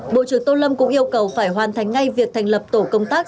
bộ trưởng tô lâm cũng yêu cầu phải hoàn thành ngay việc thành lập tổ công tác